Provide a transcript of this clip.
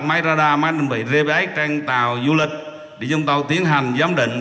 máy radar máy định vị gps trên tàu du lịch để chúng tôi tiến hành giám định